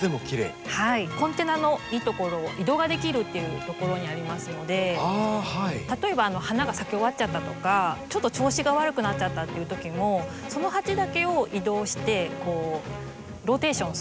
コンテナのいいところ移動ができるというところにありますので例えば花が咲き終わっちゃったとかちょっと調子が悪くなっちゃったっていうときもその鉢だけを移動してローテーションすることが。